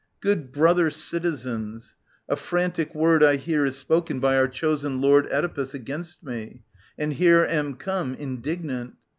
'^/^'^ Good brother citizens, a frantic word I hear is spoken by our chosen Lord Oedipus against me, and here am come Indignant.